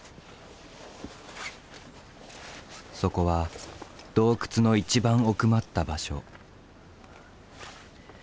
そこは洞窟の一番奥まった場所。